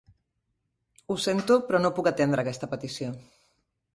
Ho sento, però no puc atendre aquesta petició.